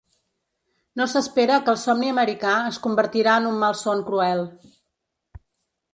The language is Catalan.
No s’espera que el somni americà es convertirà en un malson cruel.